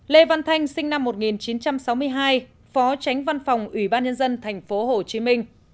lê văn thanh sinh năm một nghìn chín trăm sáu mươi hai phó tránh văn phòng ủy ban nhân dân tp hcm